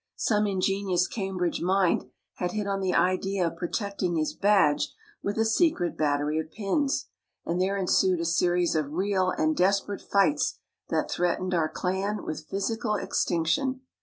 Some ingenious Cam bridge mind had hit on the idea of protect ing his badge with a secret battery of pins, and there ensued a series of real and desperate fights that threatened our clan with physical extinction.